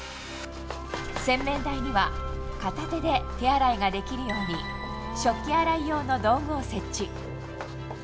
洗面台には片手で手洗いができるように食器洗い用の道具を設置。